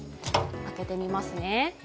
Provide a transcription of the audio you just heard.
開けてみますね。